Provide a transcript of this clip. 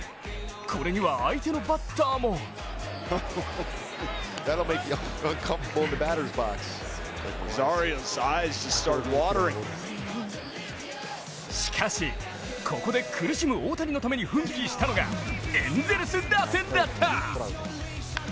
これには相手のバッターもしかし、ここで苦しむ大谷のために奮起したのがエンゼルス打線だった。